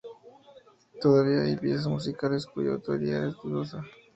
Todavía hay piezas musicales cuya autoría es dudosa.